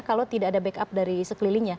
kalau tidak ada backup dari sekelilingnya